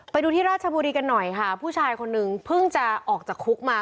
ไปดูที่ราชบุรีกันหน่อยค่ะผู้ชายคนนึงเพิ่งจะออกจากคุกมา